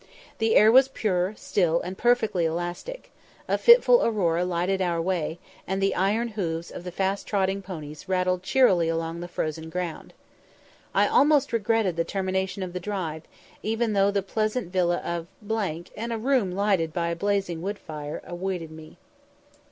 The air was pure, still, and perfectly elastic; a fitful aurora lighted our way, and the iron hoofs of the fast trotting ponies rattled cheerily along the frozen ground. I almost regretted the termination of the drive, even though the pleasant villa of , and a room lighted by a blazing wood fire, awaited me.